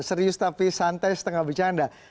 serius tapi santai setengah bercanda